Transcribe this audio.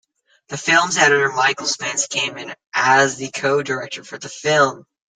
The films editor Micheal Spence came in as the co-director for the film.